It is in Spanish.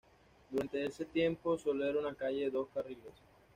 Durante ese tiempo, sólo era una calle de dos carriles.